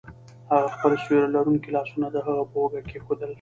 هغه خپل سیوري لرونکي لاسونه د هغه په اوږه کیښودل